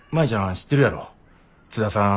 知ってるやろ津田さん